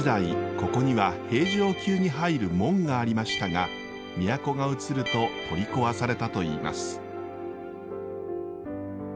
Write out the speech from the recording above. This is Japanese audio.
ここには平城宮に入る門がありましたが都がうつると取り壊されたといいます。